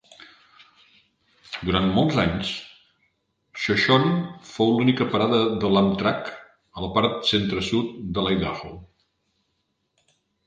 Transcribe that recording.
Durant molts anys, Shoshone fou l'única parada de l'Amtrak a la part centre-sud d'Idaho.